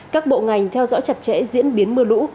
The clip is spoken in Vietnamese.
các bộ ngành theo dõi chặt chẽ diễn biến mưa lũ